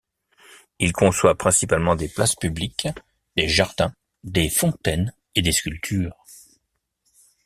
Il conçoit principalement des places publiques, des jardins, des fontaines et des sculptures.